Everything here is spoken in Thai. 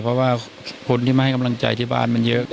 เพราะว่าคนที่มาให้กำลังใจที่บ้านมันเยอะ